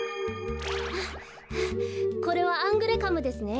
これはアングレカムですね。